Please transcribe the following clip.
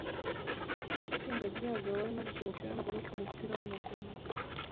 Itsinda ryabagabo barimo gukina umupira wamaguru kumupira wamaguru